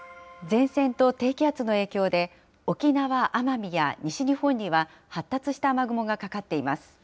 前線と低気圧の影響で、沖縄・奄美や西日本には、発達した雨雲がかかっています。